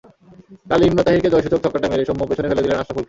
কাল ইমরান তাহিরকে জয়সূচক ছক্কাটা মেরে সৌম্য পেছনে ফেলে দিলেন আশরাফুলকে।